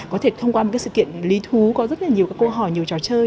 có thể thông qua một sự kiện lý thú có rất nhiều câu hỏi nhiều trò chơi